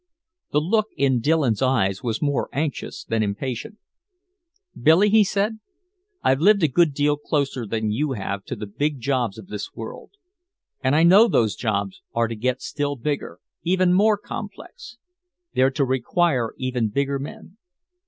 The look in Dillon's eyes was more anxious than impatient. "Billy," he said, "I've lived a good deal closer than you have to the big jobs of this world. And I know those jobs are to get still bigger, even more complex. They're to require even bigger men."